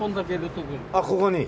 あっここに。